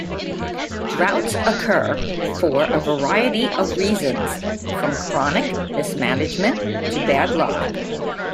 Droughts occur for a variety of reasons, from chronic mismanagement to bad luck.